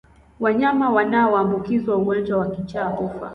Wanyama wanaoambukizwa ugonjwa wa kichaa hufa